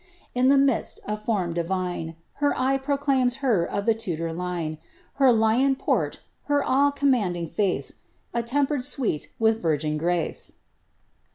In the midst a form divine, Her eye proclaims her of the Tudor line; Her lion port, her awe commanding face, Attemperd sweet with virgin grace."